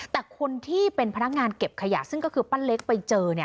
แต่คนที่เป็นพนักงานเก็บขยะซึ่งก็คือป้าเล็กไปเจอ